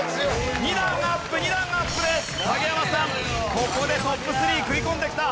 ここでトップ３食い込んできた。